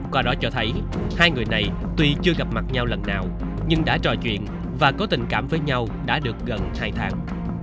qua đó cho thấy hai người này tuy chưa gặp mặt nhau lần nào nhưng đã trò chuyện và có tình cảm với nhau đã được gần hai tháng